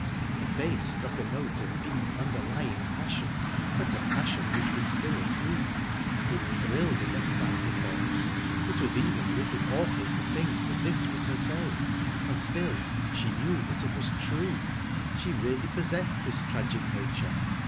The face struck a note of deep, underlying passion, but a passion which was still asleep...It thrilled and excited her, it was even a little awful to think that this was herself, and still she knew that it was true. She really possessed this tragic nature.